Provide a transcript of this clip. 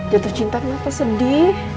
jatuh cinta kenapa sedih